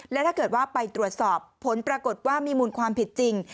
และถ้าเกิดว่าไปตรวจสอบผลปรากฏว่ามีมูลความผิดจริง